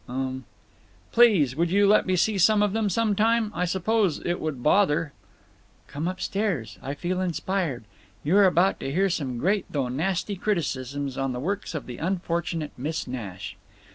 "Um." "Please, would you let me see some of them some time. I suppose it would bother—" "Come up stairs. I feel inspired. You are about to hear some great though nasty criticisms on the works of the unfortunate Miss Nash."